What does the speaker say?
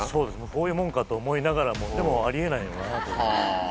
こういうもんかって思いながらも、でも、ありえないなと思って。